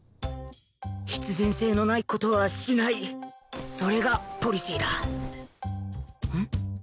必然性のない事はしないそれがポリシーだん？